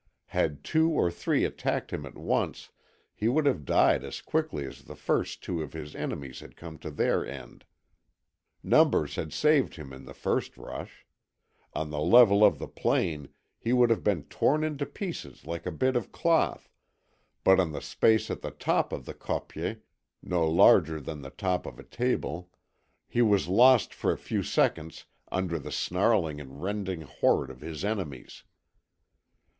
Had two or three attacked him at once he would have died as quickly as the first two of his enemies had come to their end. Numbers saved him in the first rush. On the level of the plain he would have been torn into pieces like a bit of cloth, but on the space at the top of the KOPJE, no larger than the top of a table, he was lost for a few seconds under the snarling and rending horde of his enemies.